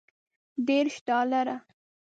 دېرش ډالره.